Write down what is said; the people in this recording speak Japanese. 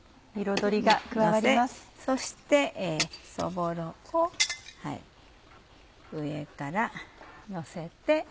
のせそしてそぼろを上からのせて。